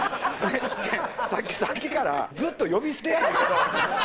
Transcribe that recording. さっきからずっと呼び捨てやねんけど。